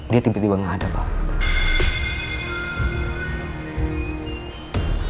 dia tiba tiba gak ada pak